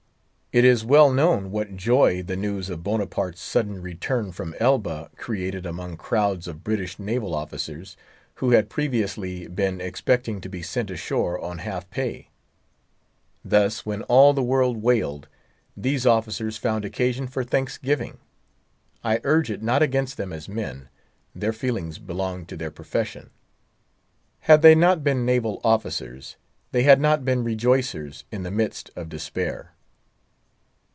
It is well known what joy the news of Bonaparte's sudden return from Elba created among crowds of British naval officers, who had previously been expecting to be sent ashore on half pay. Thus, when all the world wailed, these officers found occasion for thanksgiving. I urge it not against them as men—their feelings belonged to their profession. Had they not been naval officers, they had not been rejoicers in the midst of despair.